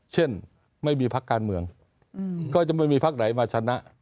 เช่นไม่มีพักการเมืองก็จะไม่มีพักไหนมาชนะ